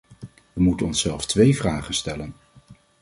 We moeten onszelf twee vragen stellen.